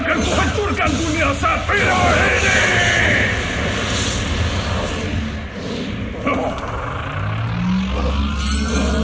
akan memacurkan dunia satria ini